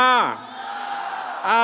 apakah siap berjuang bersama